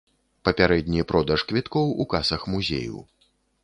Папярэдні продаж квіткоў у касах музею.